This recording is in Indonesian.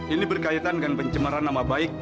ini berkaitan dengan pencemaran nama baik